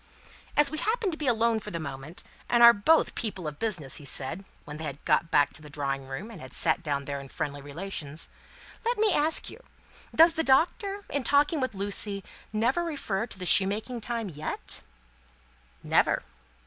"As we happen to be alone for the moment, and are both people of business," he said, when they had got back to the drawing room and had sat down there in friendly relations, "let me ask you does the Doctor, in talking with Lucie, never refer to the shoemaking time, yet?" "Never."